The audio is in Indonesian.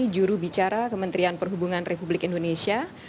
juru bicara kementerian perhubungan republik indonesia